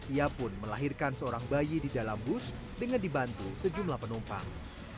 ia pun melahirkan seorang bayi di dalam bus dengan dibantu sejumlah penumpang